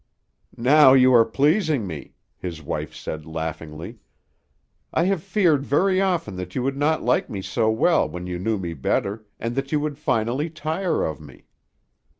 "Now you are pleasing me," his wife said laughingly. "I have feared very often that you would not like me so well when you knew me better, and that you would finally tire of me."